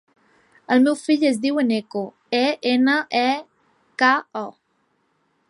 El meu fill es diu Eneko: e, ena, e, ca, o.